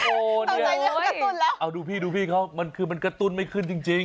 โอ้เดี๋ยวเอาดูพี่เขามันคือมันกระตุ้นไม่ขึ้นจริง